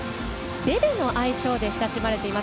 ベベの愛称で親しまれています。